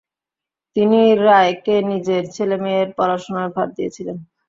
তিনি রায়কে নিজের ছেলেমেয়ের পড়াশোনার ভার দিয়েছিলেন।